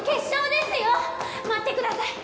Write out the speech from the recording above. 待ってください